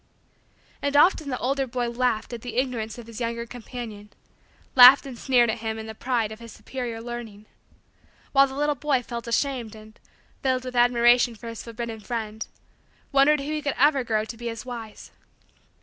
And often the older boy laughed at the Ignorance of his younger companion laughed and sneered at him in the pride of superior learning while the little boy felt ashamed and, filled with admiration for his forbidden friend, wondered if he would ever grow to be as wise.